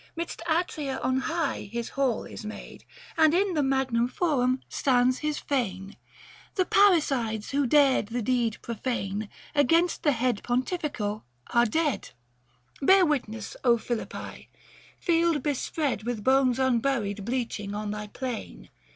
Midst Atria on high his hall is made, And in the Magnum Forum stands his fane : 755 The parricides who dared the deed profane Against the head Pontifical, are dead ; Bear witness Philippi, — field bespread With bones unburied bleaching on thy plain.